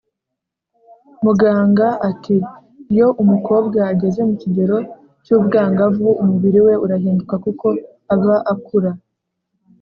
Muganga ati:” Iyo umukobwa ageze mu kigero cy’ubwangavu umubiri we urahinduka kuko aba akura.